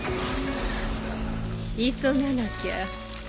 急がなきゃ。